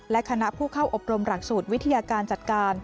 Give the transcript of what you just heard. และคณะผู้เข้าอบรมหลักสูตรวิทยาการจัดการ